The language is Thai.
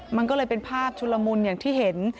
มันก็เลยเป็นภาพชุลมุนอย่างที่เห็น